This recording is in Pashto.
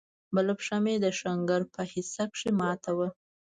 بله پښه مې د ښنگر په حصه کښې ماته وه.